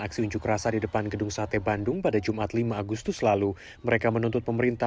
aksi unjuk rasa di depan gedung sate bandung pada jumat lima agustus lalu mereka menuntut pemerintah